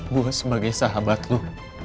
gue sebagai sahabat lu